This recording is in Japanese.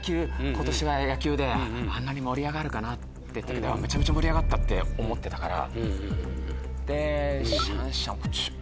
今年は野球であんなに盛り上がるかなって思ってたらめちゃめちゃ盛り上がったって思ってたから。